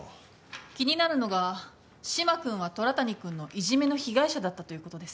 気になるのが嶋君は虎谷君のいじめの被害者だったということです。